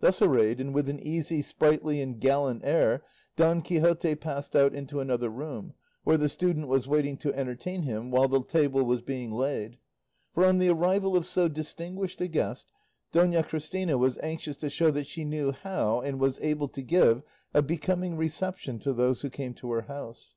Thus arrayed, and with an easy, sprightly, and gallant air, Don Quixote passed out into another room, where the student was waiting to entertain him while the table was being laid; for on the arrival of so distinguished a guest, Dona Christina was anxious to show that she knew how and was able to give a becoming reception to those who came to her house.